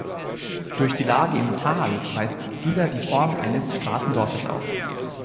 Durch die Lage im Tal weist dieser die Form eines Straßendorfes auf.